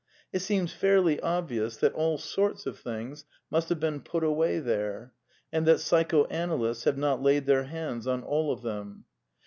It seems fairly obvious that all sorts of things must have been put away there, and that psychoanalysts have not laid their hands on all of them.